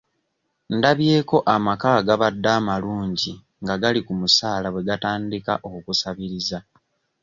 Ndabyeko amaka agabadde amalungi nga gali ku musaala bwe gatandika okusabiriza.